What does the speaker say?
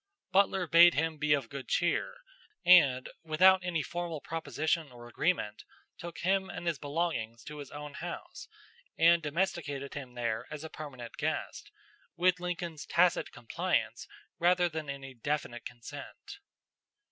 Butler bade him be of good cheer, and, without any formal proposition or agreement, took him and his belongings to his own house and domesticated him there as a permanent guest, with Lincoln's tacit compliance rather than any definite consent.